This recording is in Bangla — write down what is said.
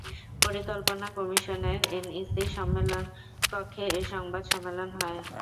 পরিকল্পনা কমিশনের এনইসি সম্মেলন কক্ষে এ সংবাদ সম্মেলন হয়।